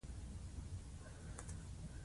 د هیواد لویه برخه ثروت یې په لاس کې وي.